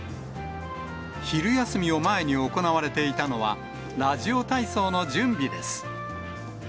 昼休みを前に行われていたのは、ラジオ体操の準備です。